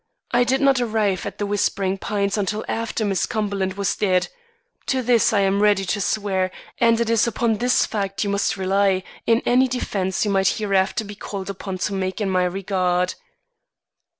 I did not arrive at The Whispering Pines until after Miss Cumberland was dead. To this I am ready to swear and it is upon this fact you must rely, in any defence you may hereafter be called upon to make in my regard."